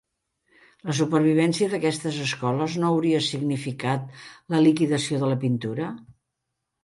La supervivència d'aquestes escoles no hauria significat la liquidació de la pintura?